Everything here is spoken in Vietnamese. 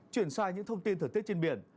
chuyển sang những thông tin thời tiết trên biển